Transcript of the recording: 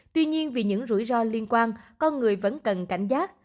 tuy nhiên vì những rủi ro liên quan con người vẫn cần cảnh giác